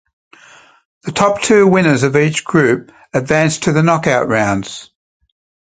The top two winners of each group advanced to the knockout rounds.